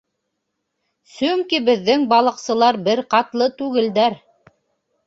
Сөнки беҙҙең балыҡсылар бер ҡатлы түгелдәр.